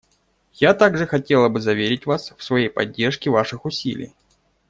Я также хотела бы заверить Вас в своей поддержке Ваших усилий.